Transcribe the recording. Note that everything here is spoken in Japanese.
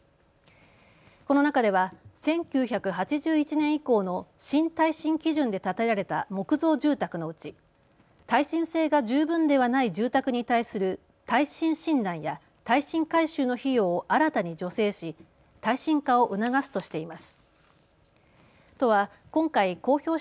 この中では１９８１年以降の新耐震基準で建てられた木造住宅のうち耐震性が十分ではない住宅に対する耐震診断や耐震改修の費用を新たに助成し耐震化を促すとしています。